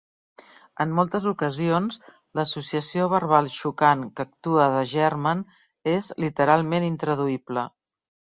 En moltes ocasions l'associació verbal xocant que actua de germen és literalment intraduïble.